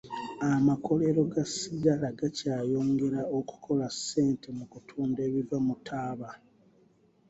Amakolero ga sigala gakyayongera okukola ssente mu kutunda ebiva mu taaba.